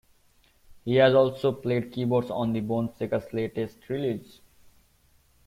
He has also played keyboards on the Boneshakers' latest release.